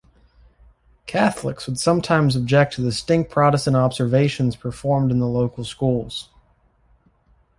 Catholics would sometimes object to the distinct Protestant observations performed in the local schools.